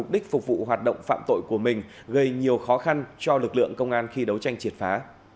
điều khó khăn cho lực lượng công an khi đấu tranh triệt phá